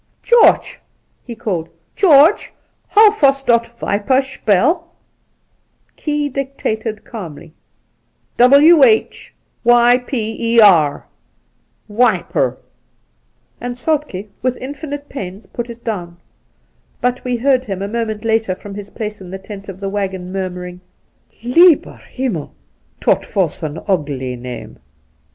' Joodge !' he called, ' Joodge, how vos dot wiper shpell V Key dictated calmly :' W h y p e r, whyper,' and Soltke with infinite pains put it down. But we heard him a moment later from his place in the tent of the waggon murmuring :' Lieber Himmel ! dot vos un oogly name.'